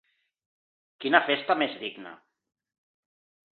Quina festa més digna!